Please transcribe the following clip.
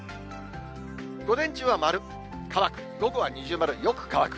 午前中は丸・乾く、午後は二重丸、よく乾く。